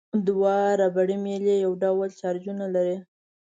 دوه ربړي میلې یو ډول چارجونه لري.